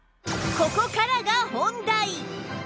ここからが本題！